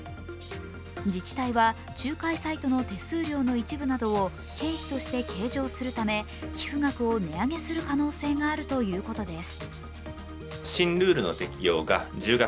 自治体は仲介サイトの手数料の一部などを経費として計上するため寄付額を値上げする可能性があるということです。